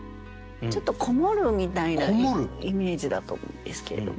ちょっと「籠もる」みたいなイメージだと思うんですけれども。